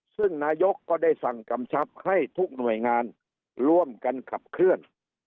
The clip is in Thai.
ซึ่งนายกก็ได้สั่งกำชับให้ทุกหน่วยงานร่วมกันขับเคลื่อน